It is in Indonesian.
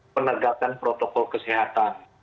penegakan protokol kesehatan